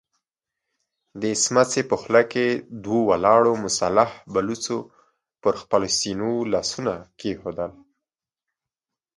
د سمڅې په خوله کې دوو ولاړو مسلح بلوڅو پر خپلو سينو لاسونه کېښودل.